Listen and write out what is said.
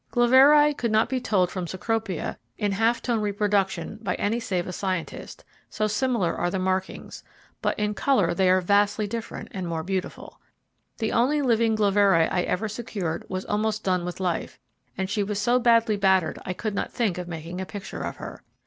Gloveri could not be told from Cecropiain half tone reproduction by any save a scientist, so similar are the markings, but in colour they are vastly different, and more beautiful. The only living Gloveri I ever secured was almost done with life, and she was so badly battered I could not think of making a picture of her.